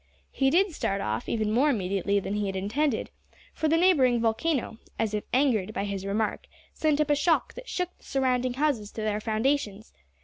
He did start off, even more immediately than he had intended, for the neighbouring volcano, as if angered by his remark, sent up a shock that shook the surrounding houses to their foundations.